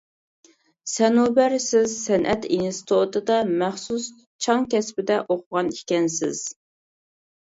سەنۇبەر سىز سەنئەت ئىنستىتۇتىدا مەخسۇس چاڭ كەسپىدە ئوقۇغان ئىكەنسىز.